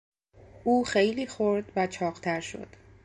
او خیلی خورد و چاقتر شد.